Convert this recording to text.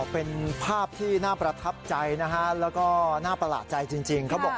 เป็นภาพที่น่าประทับใจนะฮะแล้วก็น่าประหลาดใจจริงเขาบอก